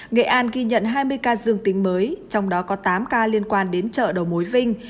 nghệ an ghi nhận hai mươi ca dương tính mới trong đó có tám ca liên quan đến chợ đầu mối vinh